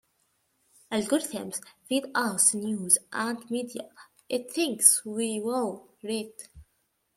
Algorithms feed us news and media it thinks we will read.